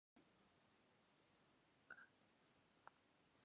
In mosk is syn fearen like nedich as in swan.